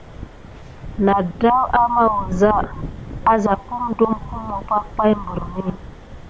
Na ədaw ama wəza aza pum dupummo pake pay mbrən.